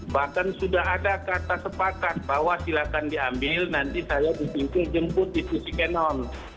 bahkan sudah ada kata sepakat bahwa silakan diambil nanti saya disinggung jemput di sisi cannon